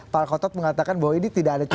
pak kotot mengatakan bahwa ini tidak ada